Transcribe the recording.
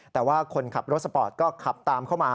แต่ว่าคนขับรถสปอร์ตก็ขับตามเข้ามา